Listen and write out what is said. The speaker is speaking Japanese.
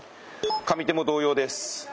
上手も同様です。